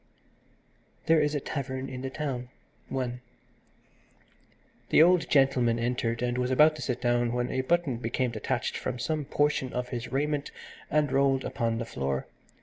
THERE IS A TAVERN IN THE TOWN I The old gentleman entered, and was about to sit down, when a button became detached from some portion of his raiment and rolled upon the floor.